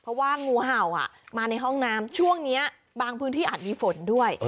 เพราะว่างูเห่ามาในห้องน้ำช่วงนี้บางพื้นที่อาจมีฝนด้วย